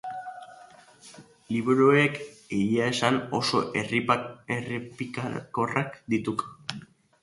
Liburuek? Egia esan oso errepikakorrak dituk.